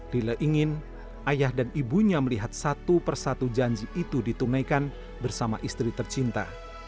lila ingin ayah dan ibunya melihat satu persatu janji itu ditunaikan bersama istri tercinta